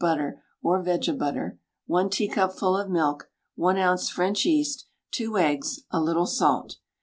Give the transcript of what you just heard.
butter, or vege butter, 1 teacupful of milk, 1 oz. French yeast, 2 eggs, a little salt.